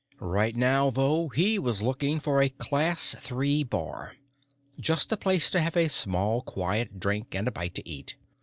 Right now, though, he was looking for a Class Three bar; just a place to have a small, quiet drink and a bite to eat.